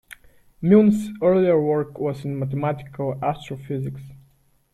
Milne's earlier work was in mathematical astrophysics.